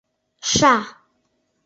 — Ша!